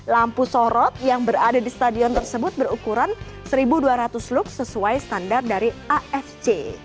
lampu sorot yang berada di stadion tersebut berukuran seribu dua ratus look sesuai standar dari afc